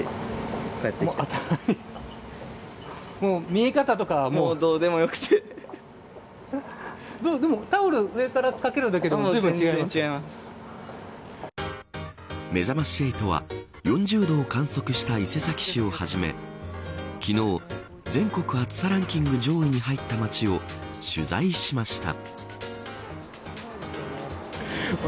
見え方とかはもうどうでもよくてめざまし８は４０度を観測した伊勢崎市をはじめ昨日、、全国暑さランキング上位に入った街を取材しました。